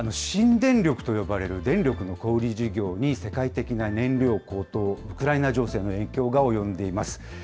新電力と呼ばれる、電力の小売り事業に世界的な燃料高騰、ウクライナ情勢の影響が及んでいます。